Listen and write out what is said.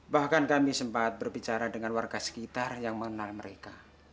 bahkan kami sempat berbicara dengan warga sekitar yang mengenal mereka